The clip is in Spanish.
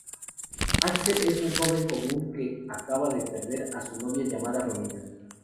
Axel es un joven común que acaba de perder a su novia llamada Romina.